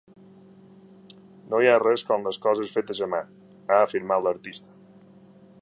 “No hi ha res com les coses fetes a mà”, ha afirmat l’artista.